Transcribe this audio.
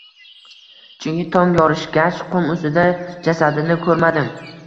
chunki tong yorishgach, qum ustida jasadini ko‘rmadim.